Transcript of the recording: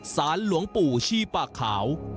สารหลวงปู่ชีปากขาว